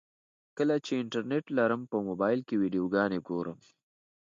کله چې انټرنټ لرم په موبایل کې ویډیوګانې ګورم.